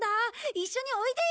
一緒においでよ！